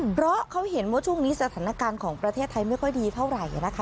เพราะเขาเห็นว่าช่วงนี้สถานการณ์ของประเทศไทยไม่ค่อยดีเท่าไหร่นะคะ